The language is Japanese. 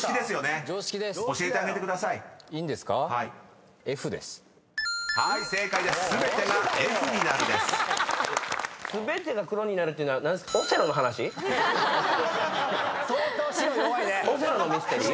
「すべてが黒になる」っていうのは何ですか？